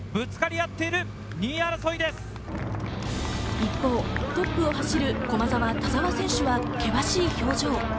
一方、トップを走る駒澤・田澤選手は険しい表情。